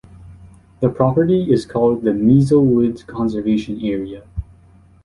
The property is called the Meisel Woods Conservation Area.